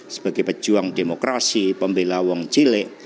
sebagai pejuang demokrasi pembelawang cili